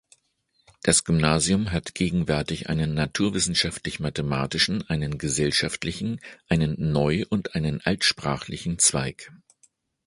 Das Gymnasium hat gegenwärtig einen naturwissenschaftlich-mathematischen, einen gesellschaftlichen, einen neu- und einen altsprachlichen Zweig.